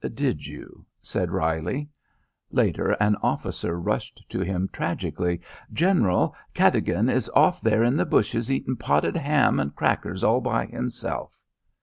"Did you?" said Reilly. Later an officer rushed to him tragically: "General, Cadogan is off there in the bushes eatin' potted ham and crackers all by himself."